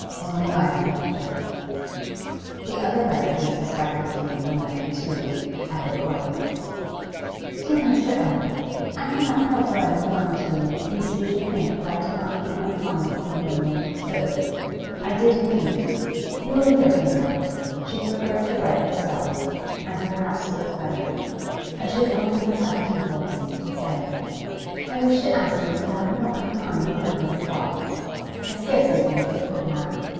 'Only life can teach her.' The other letter he suspected to be from Letty Tew, as it was. 'DEAR MR. ELDON, I cannot help writing a line to you, lest you should think that I did not keep my promise in the way you understood it. I did indeed. You will hear from her; she preferred to write herself, and perhaps it was better; I should only have had painful things to say. I wish to ask you to have no unkind or unjust thoughts; I scarcely think you could have.